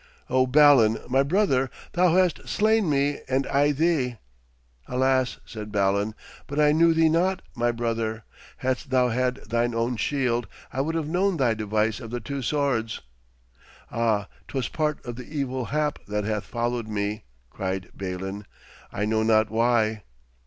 'O Balan, my brother, thou hast slain me and I thee!' 'Alas!' said Balan, 'but I knew thee not, my brother. Hadst thou had thine own shield, I would have known thy device of the two swords.' 'Ah, 'twas part of the evil hap that hath followed me,' cried Balin. 'I know not why.'